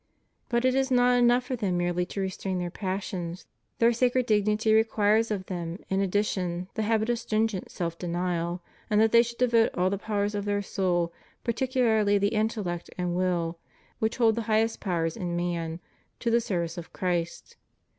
But it is not enough for them merely to restrain their passions: their sacred dignity requires of them in addition the habit of stringent self denial, and that they should devote all the powers of their soul, particularly the intellect and will, which hold the highest powers in man, to the service of Christ.